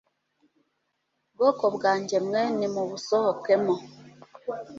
bwoko bwanjye mwe nimubusohokemo